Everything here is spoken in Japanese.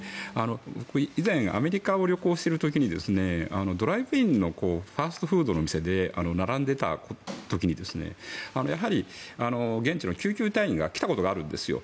以前、アメリカを旅行している時にドライブインのファストフードの店で並んでいた時にやはり現地の救急隊員が来たことがあるんです。